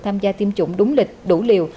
tham gia tiêm chủng đúng lịch đủ liều